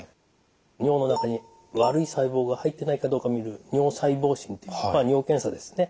尿の中に悪い細胞が入ってないかどうか診る尿細胞診っていうまあ尿検査ですね。